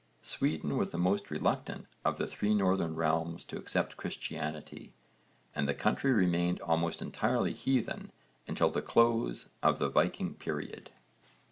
Sweden was the most reluctant of the three northern realms to accept Christianity, and the country remained almost entirely heathen until the close of the Viking period.